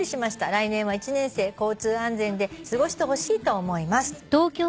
来年は１年生」「交通安全で過ごしてほしいと思います」